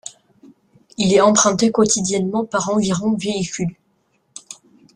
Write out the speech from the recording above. Il est emprunté quotidiennement par environ véhicules.